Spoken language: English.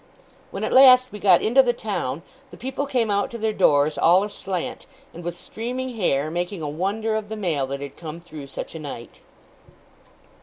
When at last we got into the town, the people came out to their doors, all aslant, and with streaming hair, making a wonder of the mail that had come through such a night.